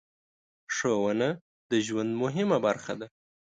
ښوونه د ژوند مهمه برخه ده.